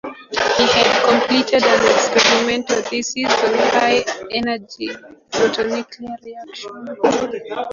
He had completed an experimental thesis on high-energy photonuclear reactions.